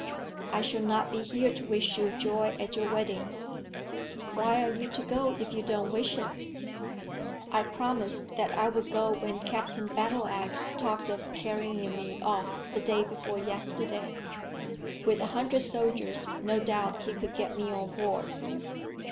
I shall not be here to wish you joy at your wedding." "Why are you to go if you don't wish it?" "I promised that I would go when Captain Battleax talked of carrying me off the day before yesterday. With a hundred soldiers, no doubt he could get me on board."